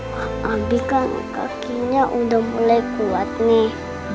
wah abi kan kakinya udah mulai kuat nih